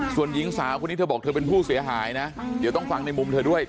ส่วนหญิงสาวคนนี้เธอบอกเธอเป็นผู้เสียหายนะเดี๋ยวต้องฟังในมุมเธอด้วย